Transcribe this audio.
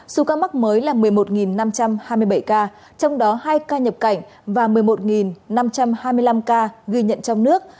số ca mắc mới là một mươi một năm trăm hai mươi bảy ca trong đó hai ca nhập cảnh và một mươi một năm trăm hai mươi năm ca ghi nhận trong nước